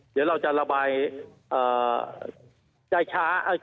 เดี๋ยวเราจะระบายได้ช้า